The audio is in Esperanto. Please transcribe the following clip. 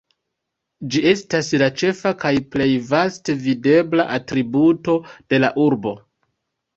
Ĝi estas la ĉefa kaj plej vaste videbla atributo de la urbo.